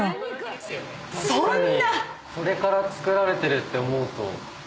これから作られてるって思うと。